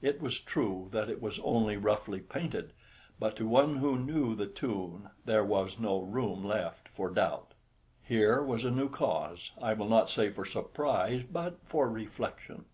It was true that it was only roughly painted, but to one who knew the tune there was no room left for doubt. Here was a new cause, I will not say for surprise, but for reflection.